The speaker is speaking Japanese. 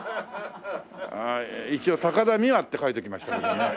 一応高田美和って書いておきましたけどね。